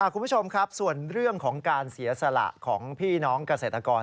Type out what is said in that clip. คุณผู้ชมครับส่วนเรื่องของการเสียสละของพี่น้องเกษตรกร